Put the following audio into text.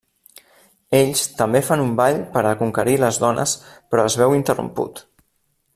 Ells també fan un ball per a conquerir les dones però es veu interromput.